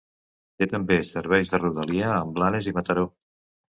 Té també serveis de rodalia amb Blanes i Mataró.